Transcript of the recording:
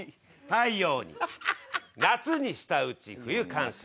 「太陽に夏に舌打ち冬感謝」。